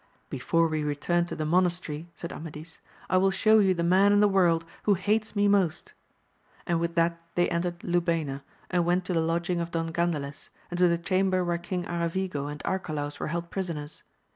Before we return to the monastery, said Amadis, I will show you the man in the world who hates me most ; with that they entered Lubayna, and went to the lodging of Don Gandales, and to the chamber where King Aravigo and Arcalaus were held prisoners.